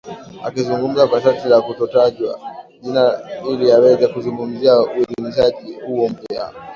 Akizungumza kwa sharti la kutotajwa jina ili aweze kuzungumzia uidhinishaji huo mpya.